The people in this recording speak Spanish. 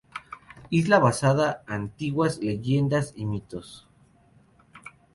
Isla basada antiguas leyendas y mitos.